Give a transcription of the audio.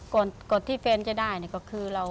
ก่อนที่แฟนจะได้ก็คือเรา